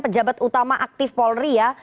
pejabat utama aktif polri ya